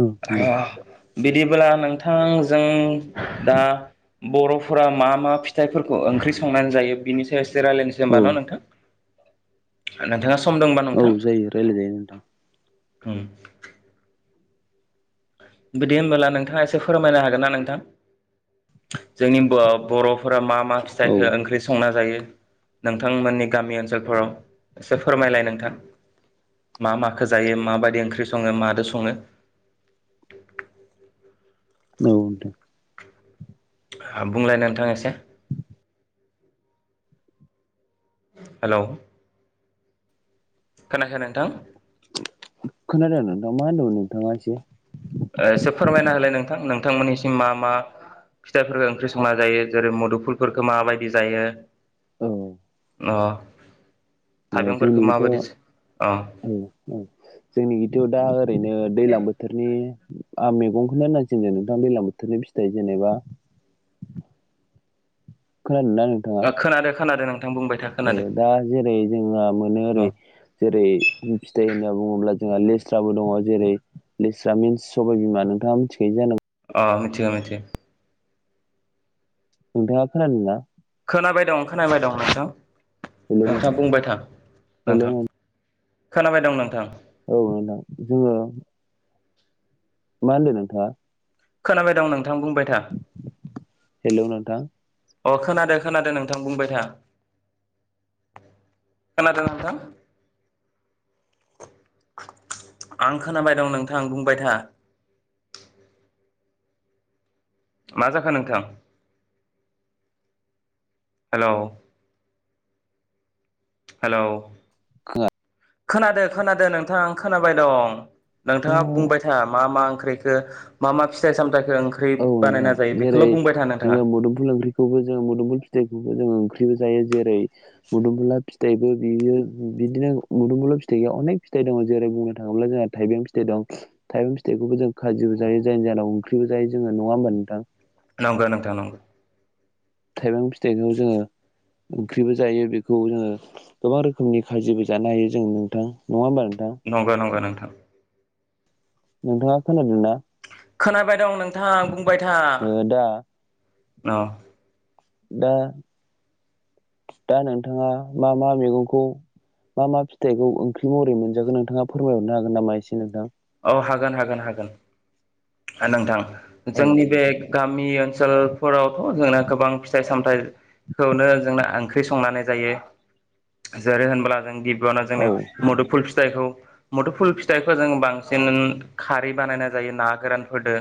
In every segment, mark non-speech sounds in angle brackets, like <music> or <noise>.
औ नोंथां बिदिब्ला नोंथांजों दा बर'फोरा मा मा फिथाइफोरखौ ओंख्रि संनानै जायो बिनि सायाव जे रायलायनोसै औ होनबा ने नोंथां नोंथा औ जायो रायलाय जायो नोंथां। ओम बिदि होनबोला नोंथाङा एसे फोरमायनो हागोन ना नोंथां। जोंनि बर'फोरा मा मा औ फिथाइखो ओंख्रि संना जायो नोंथांमोननि गामि ओनसोलफोराव एसे फोरमायलाय नोंथां। मा मााखो जायो माबायदि ओंख्रि सङो मादो सङो <inaudible> औ नोंथां। बुंलाय नोंथां एसै हेल' खोनाखो नोंथां। खोनादों नोंथां मा होनदौ नोंथांआ एसे जसे फोरमायना होलाय नोंथां नोंथांमोननिसिम मा मा फिथाइफोरखौ ओंख्रि संना जायो जेरै मुदुफुलफोरखौ माबायदि जायो औ। न' जोंनिखथ' औ अ औ जोंनिखथ' दा ओरैनो दैलां बोथोरनि आं मैगंखौनो होननासिनदों नोंथां दैलां बोथोरनि फिथाइ जेनेबा <inaudible> खोनादों खोनादों नों ओ दा जेरै जोंहा मोनो अ ओरै जेरै फिथाइ होनना बुङोब्ला जोंहा लेस्राबो दङ जेरै लेस्रा मिन्स सबाय बिमा नोंथाङा मिथिखायो जानांग अ मिथि मिथि नोंथाङा खोनादोंना ना खोनाबाय दं खोनाबाय दं नोंथां हेलौ नोंथाङा बुंबाय था हेलौ नोंथां खोनाबाय दं नोंथां। औ मोनदां जोङो मा होनदों नोंथाङा खोनाबाय दं नों हेल' नोंथां। अ खोनादों खोनादों नोंथां बुंबाय था खोनादों नोंथां आं खोनाबाय दं नोंथां बुंबाय था <inaudible> मा जाखो नोंथां हेलौ हेलौ <unintelligible> खोनादादों खोनादादों नोंथां खोनाबाय दं। औ नोंथाङा बुंबाय था मा मा ओंख्रिखौ मा मा फिथाइ सामथाइखौ ओंख्रि औ नोंथां बानायना जायो बेखौल' जेरै' बुंबाय था नोंथाङा जोङो मुुदोफुल ओंख्रिखौबो जों मोदोमफुल फिथाइखौबो जों बेयाव जायो जेरै' मुदुमुला फिथाइबो बियो बिदिनो मुदुमफुला फिथाइ ग अनेक फिथाइ जेराव जेरै' बुंनो थाङोब्ला जोंहा थाइबें फिथाइ दं थाइबें फिथाइखौबो जों खाजिबो जायो जाय जाहोनाव ओंख्रिबो जायो जों नङा होमबा नोंथां नंगौ नोंथा नंगौ थाइबें फिथाजों जोङो ओंख्रिबो जायो बेखौ जोङो गोबां रोखोमनि खाजिबो जानो हायो जों नोंथां नङा होमबा नोंथ नंगौ नंगौ नोंथां नोंथाङा खोनादों ना खोनाबाय दं नोंथां बुंबाय था ओ दा अ दा दा नोंथाङा मा मा मैगंखौ मा मा फिथाइखौ ओंख्रि महरै मोनजागोन नोंथाङा फोरमायहरनो हागोन नामा एसे नोंथां औ हागोन हागोन हागोन नोंथां औ जोंनि बे नोंथां गामि ओनसोलफोरावथ' जोंना गोबां फिथाइ सामथा खौनो जोंना ओंख्रि संनानै जायो जोरै होनोबा जों बाना औ जोंङो मुदुफुल फिथाइखौ मुथुफुल फिथाइखौ जों बांसिन खारै बानायना जायो ना गोरानफोरदो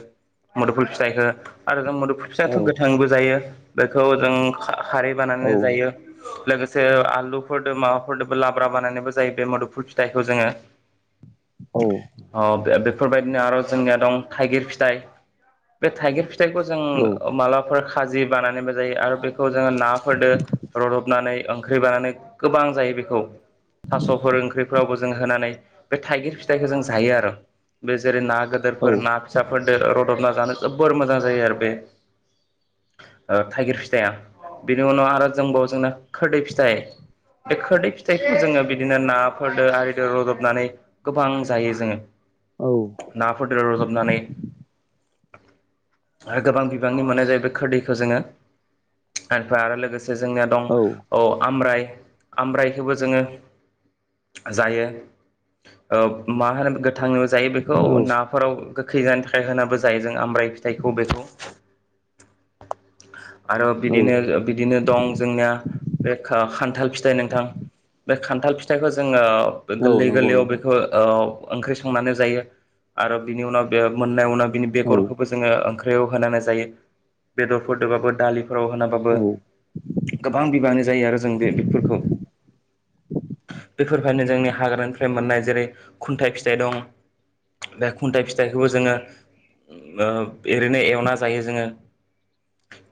मुदुफुल फिथाइखो आरो मुदुफुल औ फिथायाथ' गोथांबो जायो बेखौ जों खारै औ बानायानानै जायो लोगोसे जो आलुफोरजों माबाफोरजोंबो लाब्रा बानायनायबो जायो बे मोदुफुल फिथाइखौ जोङो औ अ बेफोरबायदिनो आरो जोंनिया दं थाइगिर फिथाइ बे थाइगिर फिथाइखौ जों मालाफोर खाजि बानानैबो जायो आरो बेखौ जोङो नाफोरदो रदबनानै ओंख्रि बानानै गोबां जायो बेखौ थास'फोर ओंख्रिफोरावबो जों होनानै बे थाइगिर फिथाइखौ जों जायो आरो बे जेरै' ना औ गदोरफोर नाफोर रदबना जानो जोबोर मोजां जायो आरो बे ओ थाइगिर फिथाइया बेनि उनाव आरो दोंबावो जोंना खोरदै फिथाइ बे खोरदै फिथाइखौ जोङो बिदिनो नाफोरदो आरिदो रुदबनानै गोबां जायो जोङो नाफोरदो रुदबनानै आरो गोबां बिबांनि मोननाय जायो बे खोरदैखौ जोङो खायफा आरो लोगोसे जोंनिया दं औ आम्राइ आम्रायइखौबो जोङो जायो ओ मा होनो गोथां जायो बेखौ औ नाफोराव देहानि थाखाय होनाबो जायो जों आम्राइ फिथाइखौ बेखौ आरो औ बिदिनो बिदिनो दं जोंनिया बे खान्थाल फिथाइ नोंथां बे खान्थाल फिथाइखौ जोङो औ गोरलै नंगौ गोरलैयाव नोंथां बेखौ औ ओंख्रि संनानै जायो आरो बिनि उनाव बे मोननाय उनाव बिनि औ बेगरखौबो जोङो बेयाव होनानै जायो बेदरफोरदबाबो दालि फोराव होनाबाबो औ गोबां बिबाङानो जायो आरो जों बे बेगफोरखौ बेफोरबायदिनो जोंनि हाग्रानिफ्राय मोननाय जेरै' खुन्थाइ फिथाइ दं बे खुन्थाइ फिथाइखौबो जोङो ओ ओरैनो एवना जायो जोङो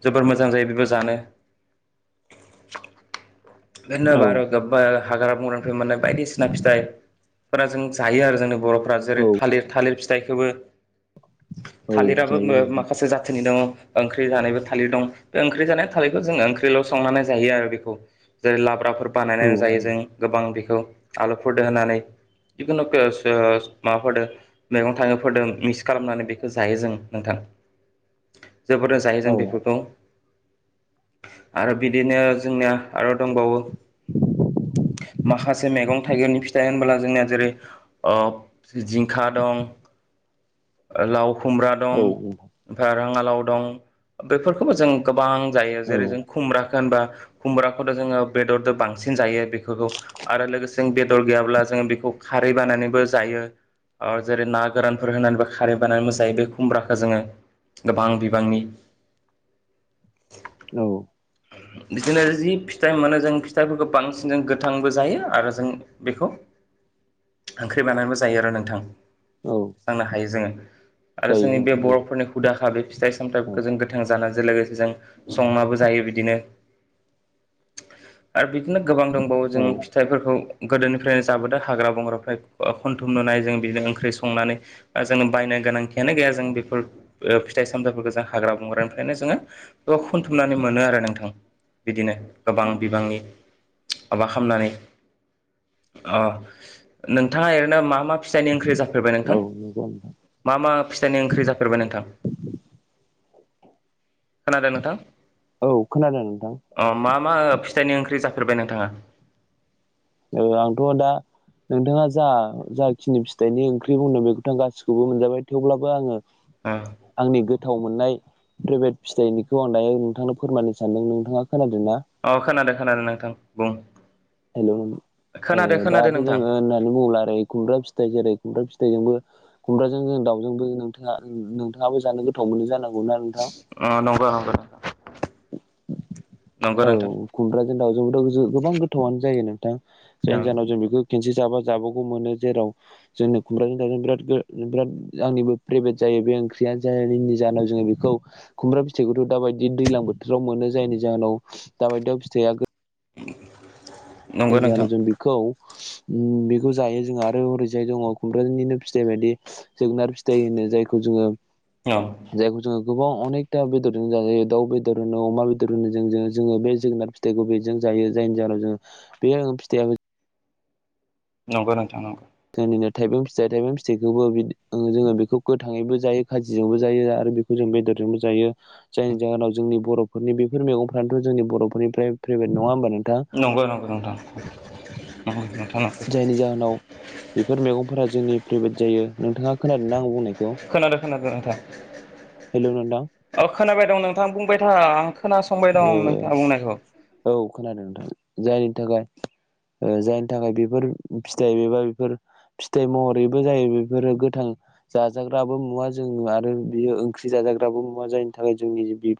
जोबोर मोजां जायो बेबो जानो <unintelligible> औ गोबा हाग्रा बंग्रानिफ्राय मोननाय बायदिसिना फिथाइ फोरा जों जायो आरो जोंनि बर' फोर जेरै औ थालिर थालिर फिथाइखौबो औ थालिराबो जायो मो नोंथां माखासे जाथिनि दङ ओंख्रि जानायबो थालिर दं बे ओंख्रि जानाय थालिरखौ जोङो ओंख्रिल' संनानै जायो आरो बेखौ जेरै' लाब्राफोर औ बानायनानै जायो जों गोबां बेखौ आलुफोरदो होनानै जिखुनु <unintelligible> माबाफोरदों मैगं थाइोफोरदों मिक्स खालामनानै बेखौ जायो जों नोंथां <inaudible> जोबोरनो जायो जों औ नोंथां बेफोरखौ आरो बिदिनो जोंनिया आरो दंबावो <inaudible> माखासे मैगं थाइगंनि फिथाइ होनबोला जोंनिया जेरै जिंखा दं <inaudible> लाव खुमब्रा दं औ ओमफ्राय राङालाव दं बेफोरखौबो जों गोबां जायो जेरै औ जों खुमब्रा होनबा खुमब्राखौथ' जोङो बेदरजों बांसिन जायो बेफोरखौ आरो लोगोसे बेदर गैयाब्ला ज खारै बानानैबो जायो जेरै ना गोरानफोरहोनानै खारै बानानै जायो बे खुमब्राखौ जोङो गोबां बिबांनि औ। बिदिनो जि फिथाइ मोनो जों फिथाइफोरखौ बांसिन जों गोथांबो जायो आरो जों बेखौ <inaudible> ओंख्रि बानानैबो जायो आरो नोंथां औ जानो हायो जोङो। आरो जायो जोंनि बे नोंथां जायो बर'फोरनि हुदाखा बे फिथाइ सामथायाइफोरखौ जों गोथां जानानै जों संनाबो जायो बिदिनो <unintelligible> बिदिनो गोबां दंबावो औ जों फिथाइफोरखौ गोदोनिफ्रायनो जाबोदों हाग्रा बंग्राफ्र खनथुम नुनाय जों बिदिनो ओंख्रि संनानै बा जोङो बायनाय गोनांथियानो गैया जों बेफोर फिथाइ सामथाइफोरखौ जों हाग्रा बंग्रानिफ्रायनो जोङो खनथुमनानै मोनो आरो नोंथां बिदिनो गोबां बिबांनि माबा खालामनानै अ नोंथाङा ओरैनो मा मा फिसानि ओंख्रि जा फेरबाय नोंथां औ नंगौ नोंथां मा मा फिथाइनि ओंख्रि जाफेरबाय नोंथां। खोनादों नोंथां औ खोनादों नोंथां अ मा मा फिथाइनि ओंख्रि जाखो फेरबाय नोंथाङा। औ आंथ' दा नोंथाङा जा जाखिनि फिथाइनि ओंख्रि बुंदों बेखौथ गासिखौबो मोनजाबाय थेवब्लाबो आङो। ओ आंनि गोथाव मोननाय प्रेभेट फिथाइनिखौ आं दायो नोंथांनो फोरमायनो सानदों नोंथाङा खोनादों ना। अ खोनादों खोनादों नोंथां बुं। खोनादो हेल'। खोनादो दाथ' जोङो नोंथां होननानै बुङला ओरै खुमब्रा फिथाइ जेरै खुमब्रा फिथाइजोंबो खुमब्राजों जों दाउजोंबो नोंथाङा नोंथाङाबो जानो गोथाव मोनो जानांगौ अ नंगौ नंगौ। नंगौ औ नोंथां खुमब्राजों दाावजोंबोथ' गोबां गोथावनो जायो नोंथां औ जेन जायनाव जों बेखौ खेनसे जाबा जाबावगौ मोनो जेराव जोंनो खुमब्राजों दावजों बिराद बिराद आंनिबो फेब्रेट जाय बे ओंख्रिया जायनि जाहोनाव जोङो बेखौ खुमब्रा फिथाइखौथ' दाबायदि दैलां बोथ आव मोनो जायनि जाहोनाव दाबायदियाव फिथाइआ नंगौ जानो नोंथां जों बेखौ बेखौ जायो जोंहा आरो ओरैजाय दङ खुमब्रनिनो फिथाइ बायदि जोगोनार फिथाइ होनो जायखौ जोङो औ जायखौ जोङो गोबां अनेखथा बेदरजों जाजायो दाउ बेदर होनो अमा बेदर होनो जों जोङो बे जोगोनार फिथाइखौ बेजों ज जायो जायनि जाहोनाव जोङो बे फिथाइयाबो नंगौ नोंथां नंगौ। नो थाइबें फिथाइ थाइबें फिथाइखौबो जोङो बेखौ गोथाङैबो जायो खाजिजोंबो जायो आरो बेखौ जों बेदरजोंबो जायो जायनि जाहोनाव जोंनि बर'फोरनि बेफोर मैगंफ्रथ' जोंनि बर'फोरनिफ्राय फेभ्रेट नङा होमबा। नोंथां नंगौ नोंथां। नंगौ जायनि जाहोनाव बेफोर मैगंफोरा जोंनि फेभ्रेट जायो। नोंथाङा खोनादोंना आं बुंनायखौ? खोनादों खोनादों नोंथां हेलौ नोंथां औ खोनाबाय दं नोंथां बुंबाय था। खोनासंबाय ओ दं नोंथाङा बुंनायखौ। औ खोनादों नोंथां जायनि थाखाय ओ जायनि थाखाय बेफोर फिथाइ एबा बेफोर। फिथाइ महरैबो जायो बेफोरो गोथां जाजाग्राबो मुवा जोङ आरो बियो ओंख्रि जाज जाग्राबो मुवा जायनि थाखाय जोंनि बि